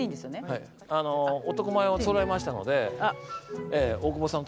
はい男前をそろえましたので大久保さんのために。